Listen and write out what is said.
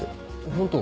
ホント？